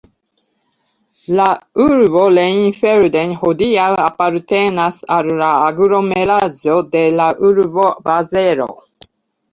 La urbo Rheinfelden hodiaŭ apartenas al la aglomeraĵo de la urbo Bazelo.